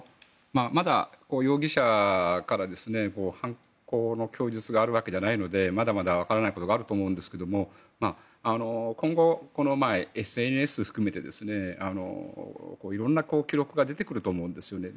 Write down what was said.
まだ容疑者から犯行の供述があるわけではないのでまだまだわからないことがあると思うんですけれども今後、ＳＮＳ含めて色んな記録が出てくると思うんですよね。